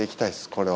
これは。